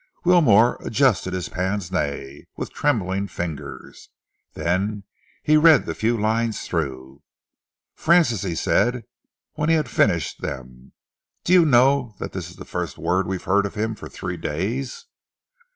Wilmore adjusted his pince nez with trembling fingers. Then he read the few lines through. "Francis," he said, when he had finished them, "do you know that this is the first word we've heard of him for three days?"